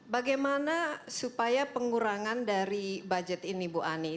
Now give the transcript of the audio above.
bagaimana supaya pengurangan dari budget ini bu ani